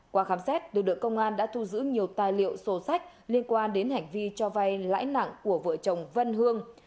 qua khám xét lực lượng công an đã thu giữ nhiều tài liệu sổ sách liên quan đến hành vi cho vay lãi nặng của vợ chồng vân hương